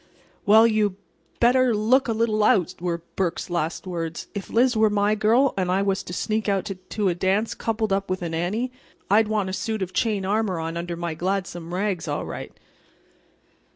"Well, you better look a little out," were Burke's last words. "If Liz was my girl and I was to sneak out to a dance coupled up with an Annie, I'd want a suit of chain armor on under my gladsome rags, all right."